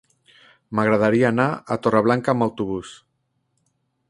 M'agradaria anar a Torreblanca amb autobús.